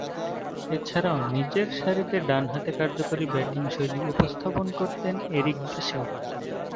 এছাড়াও, নিচেরসারিতে ডানহাতে কার্যকরী ব্যাটিংশৈলী উপস্থাপন করতেন এরিক ফিশার।